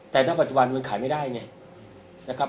แต่ณปัจจุบันมันขายไม่ได้ไงนะครับ